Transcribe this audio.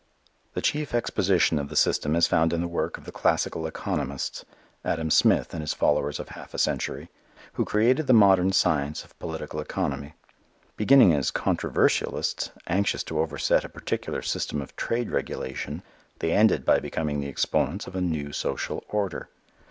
The chief exposition of the system is found in the work of the classical economists Adam Smith and his followers of half a century who created the modern science of political economy. Beginning as controversialists anxious to overset a particular system of trade regulation, they ended by becoming the exponents of a new social order.